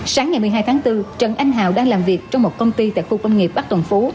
sáng ngày một mươi hai tháng bốn trần anh hào đang làm việc trong một công ty tại khu công nghiệp bắc tuần phú